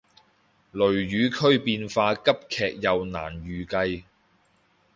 雷雨區變化急劇又難預計